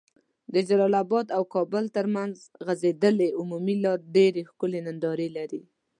د جلال اباد او کابل تر منځ غځيدلي عمومي لار ډيري ښکلي ننداري لرې